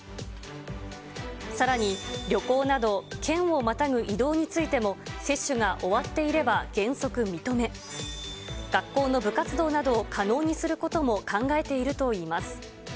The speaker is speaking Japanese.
さらに旅行など、県をまたぐ移動についても、接種が終わっていれば原則認め、学校の部活動などを可能にすることも考えているといいます。